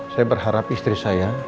saya berharap istri saya